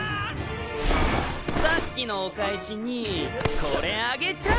さっきのお返しにこれあげちゃう！